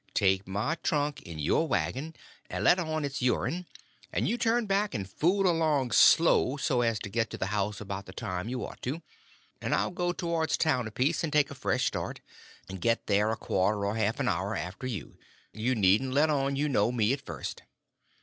Take my trunk in your wagon, and let on it's your'n; and you turn back and fool along slow, so as to get to the house about the time you ought to; and I'll go towards town a piece, and take a fresh start, and get there a quarter or a half an hour after you; and you needn't let on to know me at first."